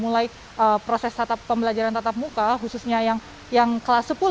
mulai proses pembelajaran tatap muka khususnya yang kelas sepuluh